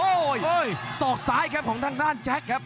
โอ้โหสอกซ้ายครับของทางด้านแจ็คครับ